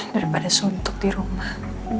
daripada suntuk di rumah